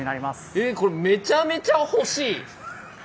えこれめちゃめちゃ欲しい！